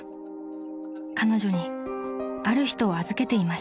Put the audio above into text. ［彼女にある人を預けていました］